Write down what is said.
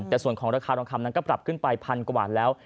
แต่ส่วนของราคาทองคำนั้นก็ปรับขึ้นไปพันกว่าบาทแล้ว